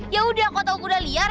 yaudah kau tau kuda liar